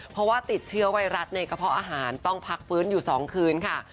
เพราะว่าติดเชื้อไวรัสในกระเพาะอาหารต้องพักฟื้นอยู่๒คืนค่ะ